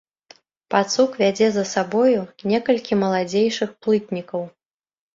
Пацук вядзе за сабою некалькі маладзейшых плытнікаў.